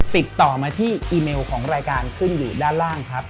ติดต่อมาที่อีเมลของรายการขึ้นอยู่ด้านล่างครับ